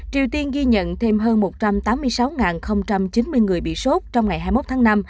triều tiên ghi nhận thêm hơn một trăm tám mươi sáu chín mươi người bị sốt trong ngày hai mươi một tháng năm